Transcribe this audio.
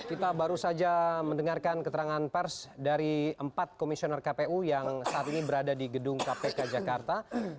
kita baru saja mendengarkan keterangan pers dari empat komisioner kpu yang saat ini berada di gedung kpk jakarta